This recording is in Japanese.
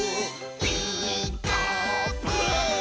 「ピーカーブ！」